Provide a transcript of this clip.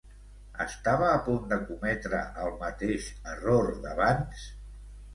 Estava a punt de cometre el mateix error d'abans?